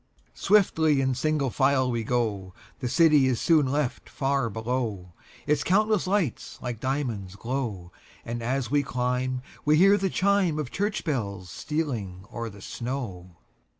Swiftly in single file we go, The city is soon left far below, Its countless lights like diamonds glow; And as we climb we hear the chimeOf church bells stealing o'er the snow.